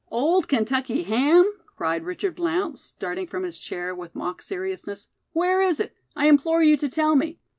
"Old Kentucky ham!" cried Richard Blount, starting from his chair with mock seriousness, "Where is it? I implore you to tell me.